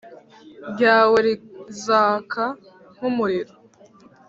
ryawe rizaka nk umuriro